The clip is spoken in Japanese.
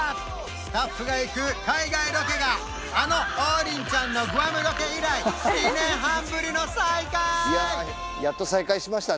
スタッフが行く海外ロケがあの王林ちゃんのグアムロケ以来２年半ぶりの再開！